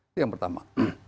itu yang pertama